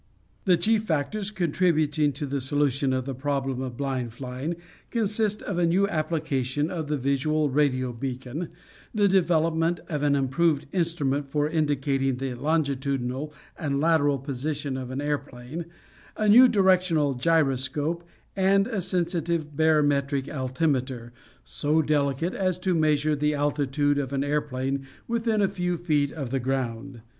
The chief factors contributing to the solution of the problem of blind flying consist of a new application of the visual radio beacon, the development of an improved instrument for indicating the longitudinal and lateral position of an airplane, a new directional gyroscope, and a sensitive barometric altimeter, so delicate as to measure the altitude of an airplane within a few feet of the ground.